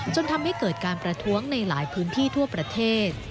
จนทำให้เกิดการประท้วงในหลายพื้นที่ทั่วประเทศ